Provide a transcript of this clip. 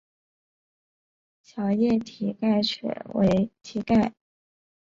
小叶蹄盖蕨为蹄盖蕨科蹄盖蕨属下的一个种。